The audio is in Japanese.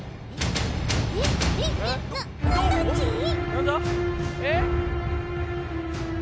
なんだ？え？